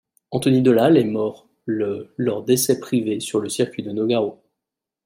Anthony Delhalle est mort le lors d'essais privés sur le circuit de Nogaro.